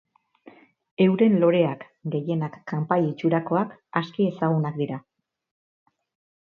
Euren loreak, gehienak kanpai itxurakoak, aski ezagunak dira.